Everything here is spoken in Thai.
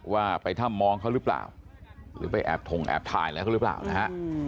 ว่าไปถ้ำมองเขาหรือเปล่าหรือไปแอบถงแอบถ่ายอะไรเขาหรือเปล่านะฮะ